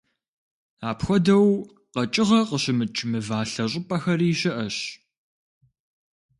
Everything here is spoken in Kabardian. Апхуэдэу къэкӏыгъэ къыщымыкӏ мывалъэ щӏыпӏэхэри щыӏэщ.